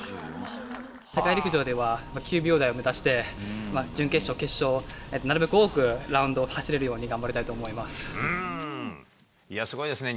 世界陸上では９秒台を目指して、準決勝、決勝、なるべく多くラウンドを走れるように頑張りたいや、すごいですね。